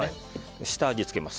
下味をつけます。